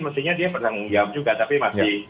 maksudnya dia pertanggung jawab juga tapi masih